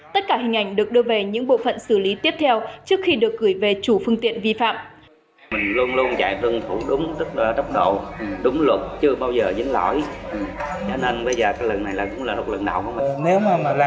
tất cả hình ảnh được đưa về những bộ phận xử lý tiếp theo trước khi được gửi về chủ phương tiện vi phạm